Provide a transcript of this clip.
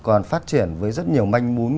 còn phát triển với rất nhiều manh mún